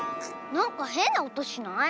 なんかへんなおとしない？